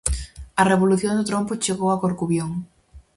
A revolución do trompo chegou a Corcubión.